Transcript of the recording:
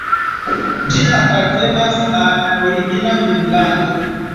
Ĝi apartenas al Origina Finnlando.